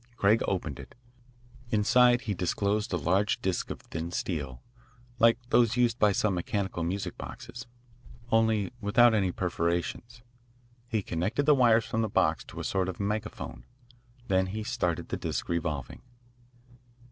Craig opened it. Inside he disclosed a large disc of thin steel, like those used by some mechanical music boxes, only without any perforations. He connected the wires from the box to a sort of megaphone. Then he started the disc revolving.